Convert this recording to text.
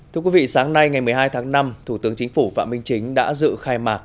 thưa quý vị sáng nay ngày một mươi hai tháng năm thủ tướng chính phủ phạm minh chính đã dự khai mạc